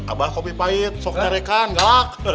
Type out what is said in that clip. abah kopi pahit sok cerekan galak